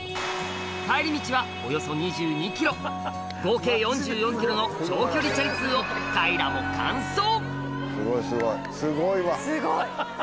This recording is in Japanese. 帰り道はおよそ２２ｋｍ合計４４ｋｍの長距離チャリ通をかいらも完走！